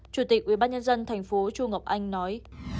chủ tịch ubnd tp trung ngọc anh nói